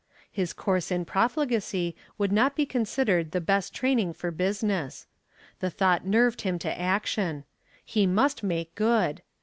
His course in profligacy would not be considered the best training for business. The thought nerved him to action. He must make good.